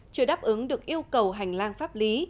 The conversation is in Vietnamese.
chưa đáp ứng được yêu cầu hành lang pháp lý